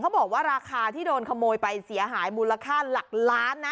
บอกว่าราคาที่โดนขโมยไปเสียหายมูลค่าหลักล้านนะ